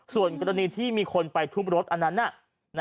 ส่วนกรณีที่มีคนไปทุบรถอันนั้น